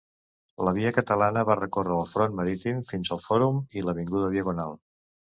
La Via Catalana va recórrer el Front Marítim fins al Fòrum i l'avinguda Diagonal.